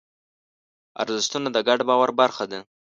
ارزښتونه د ګډ باور برخه ده.